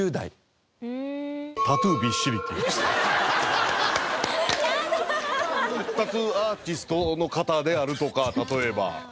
タトゥーアーティストの方であるとか例えば。